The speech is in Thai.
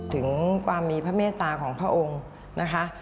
ถึงความมีพระเมตตาของพระองค์นะคะ